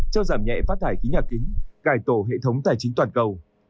cho giảm nhẹ phát thải khí nhà kính cải tổ hệ thống tài chính toàn cầu